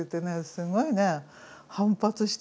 すごいね反発してね